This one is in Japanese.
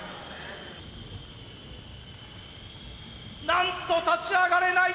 なんと立ち上がれない。